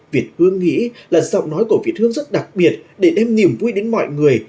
việt hương nghĩ là giọng nói của việt hương rất đặc biệt để đem niềm vui đến mọi người